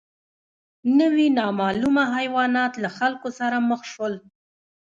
نوي نامعلومه حیوانات له خلکو سره مخ شول.